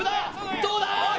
どうだ！